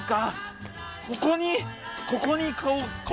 ここに。